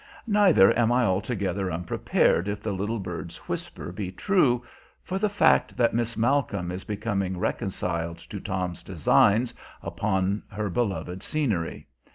Neither am I altogether unprepared, if the little bird's whisper be true, for the fact that Miss Malcolm is becoming reconciled to Tom's designs upon her beloved scenery.